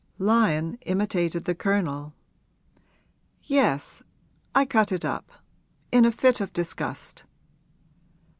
Lyon imitated the Colonel. 'Yes, I cut it up in a fit of disgust.'